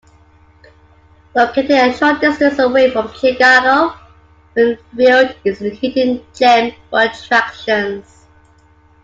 Located a short distance away from Chicago, Winfield is a hidden gem for attractions.